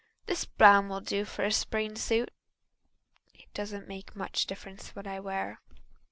This brown will do for a spring suit. It doesn't make much difference what I wear."